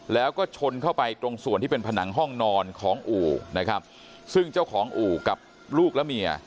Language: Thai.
แล้วก็ชนเข้าไปตรงส่วนที่เป็นผนังห้องนอนของอู่นะครับซึ่งเจ้าของอู่กับลูกและเมีย